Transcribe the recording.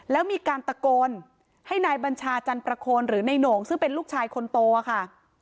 แล้วมีการตะโกนให้นายบัญชาจันประโคนหรือในโหน่งซึ่งเป็นลูกชายคนโตค่ะ